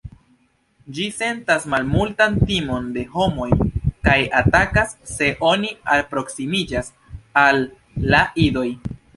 Ĝi sentas malmultan timon de homoj, kaj atakas se oni alproksimiĝas al la idoj.